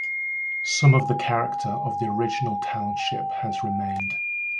Some of the character of the original township has remained.